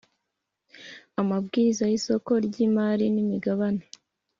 Amabwiriza y,isoko ry, imari n,imigabane